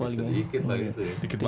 sedikit banget gitu ya